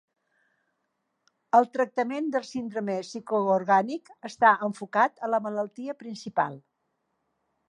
El tractament del síndrome psicoorgànic està enfocat a la malaltia principal.